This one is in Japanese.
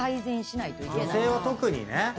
女性は特にね。